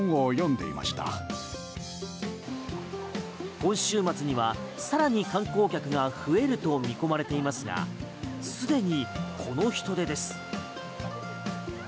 今週末にはさらに観光客が増えると見込まれていますが既にこの人出です。